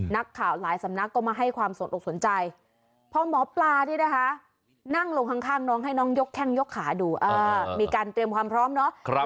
นักข่าวหลายสำนักก็มาให้ความสนอกสนใจพอหมอปลานี่นะคะนั่งลงข้างน้องให้น้องยกแข้งยกขาดูมีการเตรียมความพร้อมเนาะ